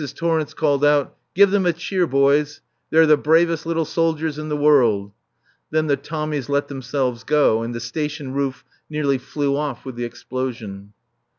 Torrence called out, "Give them a cheer, boys. They're the bravest little soldiers in the world." Then the Tommies let themselves go, and the Station roof nearly flew off with the explosion.